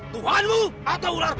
tuhanmu atau ularmu